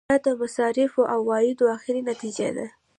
دا د مصارفو او عوایدو اخري نتیجه ده.